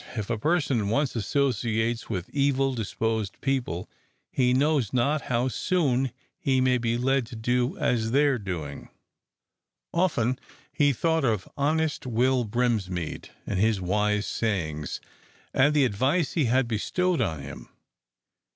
"If a person once associates with evil disposed people, he knows not how soon he may be led to do as they're doing." Often he thought of honest Will Brinsmead and his wise sayings, and the advice he had bestowed on him.